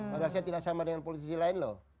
maka saya tidak sama dengan politisi lain loh